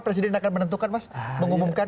presiden akan menentukan mas mengumumkan